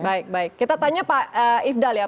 baik baik kita tanya pak ifdal ya